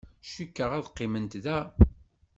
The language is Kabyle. Cikkeɣ ad qqiment da.